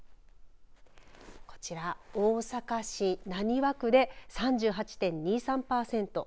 こちら、大阪市浪速区で３８．２３パーセント。